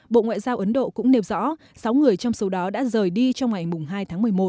bộ ngoại giao ấn độ cũng nêu rõ sáu người trong số đó đã rời đi trong ngày hai tháng một mươi một